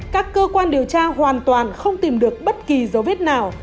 các cơ quan điều tra hoàn toàn không tìm được bất kỳ dấu vết nào